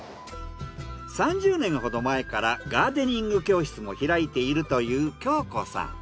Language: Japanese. ３０年ほど前からガーデニング教室も開いているという京子さん。